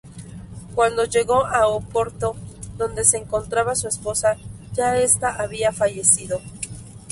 Cuando llegó a Oporto, donde se encontraba su esposa, ya esta había fallecido.